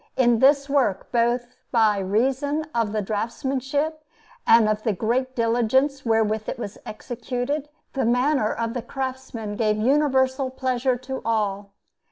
In this work, both by reason of the draughtsmanship and of the great diligence wherewith it was executed, the manner of the craftsman gave universal pleasure to all.